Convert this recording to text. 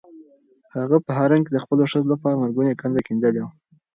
هغه په حرم کې د خپلو ښځو لپاره مرګونې کنده کیندلې وه.